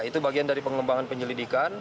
itu bagian dari pengembangan penyelidikan